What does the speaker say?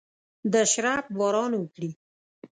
د شرپ باران وکړي